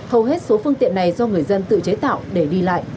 hầu hết số phương tiện này do người dân tự chế tạo để đi lại